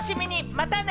またね！